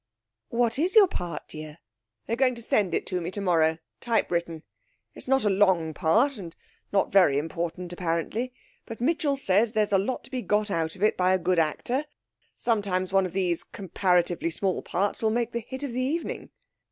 'What is your part, dear?' 'They're going to send it to me tomorrow typewritten. It's not a long part, and not very important, apparently; but Mitchell says there's a lot to be got out of it by a good actor; sometimes one of these comparatively small parts will make the hit of the evening.'